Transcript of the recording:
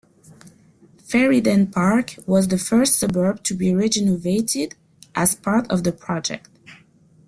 Ferryden Park was the first suburb to be rejuvenated as part of the project.